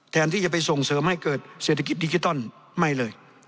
แทนที่จะไปส่งเสริมให้เกิดเศรษฐกิจดิจิตอลไม่เลย